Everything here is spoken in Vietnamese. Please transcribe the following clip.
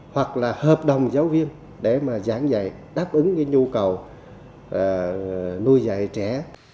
hoặc là hợp đồng giáo viên để giảng dạy đáp ứng nhu cầu nuôi dạy trẻ